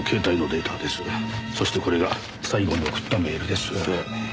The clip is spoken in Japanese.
そしてこれが最後に送ったメールです。